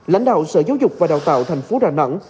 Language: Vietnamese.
lãnh đạo sở giáo dục và đào tạo thành phố đà nẵng